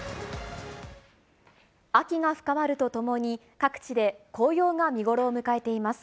秋が深まるとともに、各地で紅葉が見頃を迎えています。